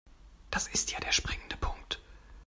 Das ist ja der springende Punkt.